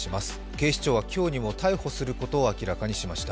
警視庁は今日にも逮捕することを明らかにしました。